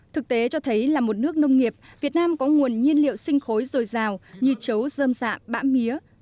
thực tế cho thấy là một nước nông nghiệp việt nam có nguồn nhiên liệu sinh khối dồi dào như chấu dơm dạ bã mía